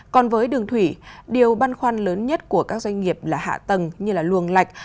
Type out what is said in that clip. còn với đường thủy điều băn khoăn lớn nhất của các doanh nghiệp là hạ tầng như luồng lạch